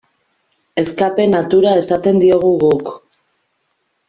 Escape-natura esaten diogu guk.